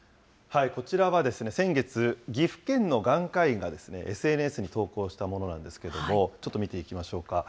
こちらは先月、岐阜県の眼科医がＳＮＳに投稿したものなんですけれども、ちょっと見ていきましょうか。